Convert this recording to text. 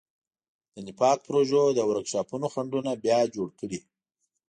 د نفاق پروژو د ورکشاپونو خنډونه بیا جوړ کړي.